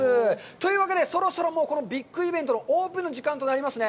というわけで、そろそろビッグイベントのオープンの時間となりますね。